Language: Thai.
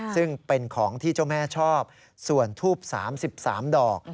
ซึ่งเป็นของที่เจ้าแม่ชอบส่วนทูบ๓๓ดอก